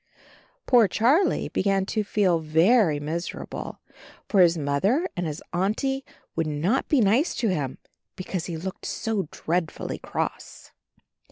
Poor Charlie began to feel very miserable, for his Mother and his Auntie would not be nice to him, because he looked so dreadfully cross.